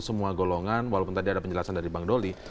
semua golongan walaupun tadi ada penjelasan dari bang doli